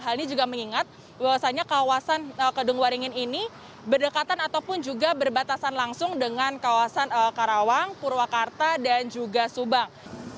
hal ini juga mengingat bahwasannya kawasan kedung waringin ini berdekatan ataupun juga berbatasan langsung dengan kawasan karawang purwakarta dan juga subang